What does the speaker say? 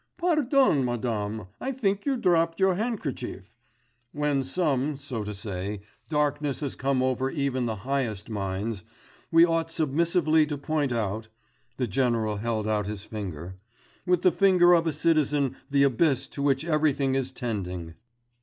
Pardon, madame, I think you dropped your handkerchief. When some, so to say, darkness has come over even the highest minds, we ought submissively to point out (the general held out his finger) with the finger of a citizen the abyss to which everything is tending.